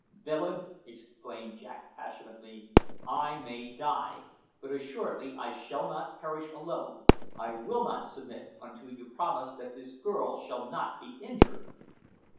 "Villain!" exclaimed Jack passionately. "I may die, but assuredly I shall not perish alone! I will not submit until you promise that this girl shall not be injured!"